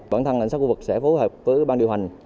bản thân cảnh sát khu vực sẽ phối hợp với ban điều hành